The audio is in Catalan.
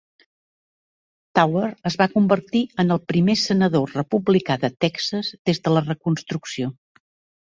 Tower es va convertir en el primer senador republicà de Texas des de la Reconstrucció.